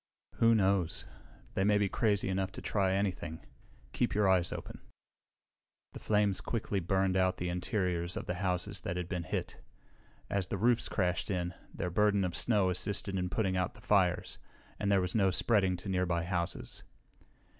"Who knows? They may be crazy enough to try anything. Keep your eyes open." The flames quickly burned out the interiors of the houses that had been hit. As the roofs crashed in, their burden of snow assisted in putting out the fires, and there was no spreading to nearby houses.